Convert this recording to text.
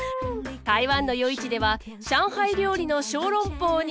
台湾の夜市では上海料理の小籠包に。